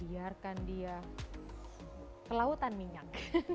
biarkan dia kelautan minyak